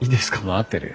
待ってるよ。